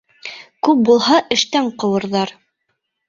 Күп булһа, эштән ҡыуырҙар!